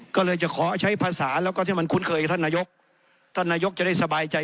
ก็เลยจะขอใช้ภาษาแล้วก็ที่มันคุ้นเคยกับท่านนายกท่านนายกจะได้สบายใจ